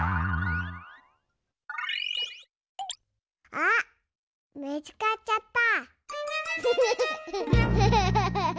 あっみつかっちゃった！